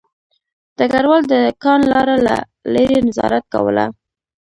ډګروال د کان لاره له لیرې نظارت کوله